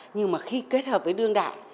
nhưng mà khi kết hợp với đơn đại